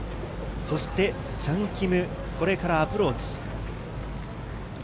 そしてチャン・キム、これからアプローチ。